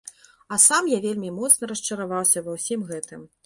А сам я вельмі моцна расчараваўся ва ўсім гэтым.